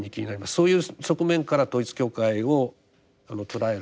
そういう側面から統一教会を捉える。